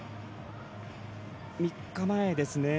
３日前ですね。